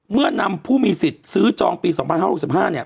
นำผู้มีสิทธิ์ซื้อจองปี๒๕๖๕เนี่ย